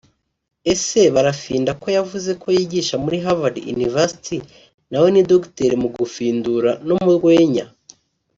Ese barafinda ko yavuze ko yigisha muri havard university nawe ni Dr mu gufindura no mu rwenya